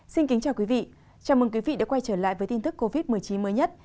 xin kính chào quý vị chào mừng quý vị đã quay trở lại với tin tức covid một mươi chín mới nhất